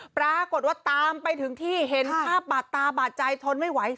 ปรากฏว่าตามไปถึงที่เห็นภาพบาดตาบาดใจทนไม่ไหว